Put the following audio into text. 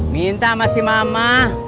minta sama si mama